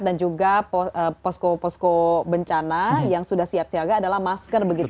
dan juga posko posko bencana yang sudah siap siaga adalah masker